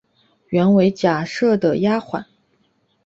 原为贾赦的丫环。